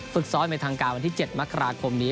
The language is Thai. ฝึกซ้อมเป็นทางการวันที่๗มกราคมนี้